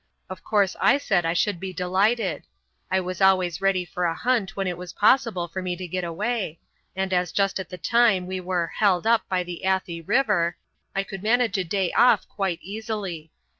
Of course I said I should be delighted I was always ready for a hunt when it was possible for me to get away, and as just at the time we were "held up" by the Athi River, I could manage a day off quite easily.